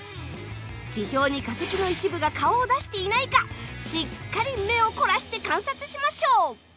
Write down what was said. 地表に化石の一部が顔を出していないかしっかり目を凝らして観察しましょう。